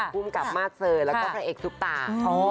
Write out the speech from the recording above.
คุณกับมาสเซอร์แล้วก็เป็นเอกสุปตา